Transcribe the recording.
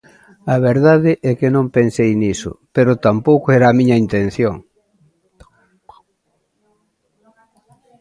A verdade é que non pensei niso, pero tampouco era a miña intención.